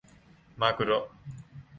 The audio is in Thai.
มากุโระ !